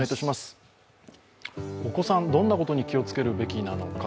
お子さん、どんなことに気をつけるべきなのか。